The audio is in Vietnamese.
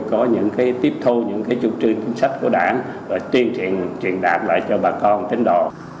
có những cái tiếp thô những cái chủ trương chính sách của đảng và tuyên truyền truyền đạt lại cho bà con tính độ